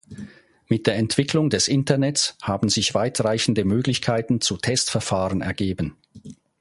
Mit der Entwicklung des Internets haben sich weitreichende Möglichkeiten zu Testverfahren ergeben.